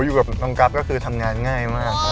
อยู่กับน้องกั๊บก็คือทำงานง่ายมาก